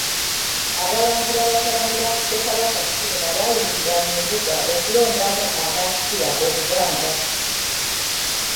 Abalangira batabani ba Ssekabaka Ssuuna abaayimirira mu Mbuga okulondamu anaasikira Obuganda.